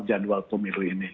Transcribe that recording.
jadwal pemilu ini